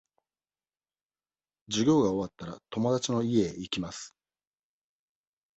授業が終わったら、友達の家へ行きます。